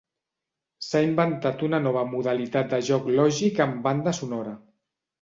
S'ha inventat una nova modalitat de joc lògic amb banda sonora.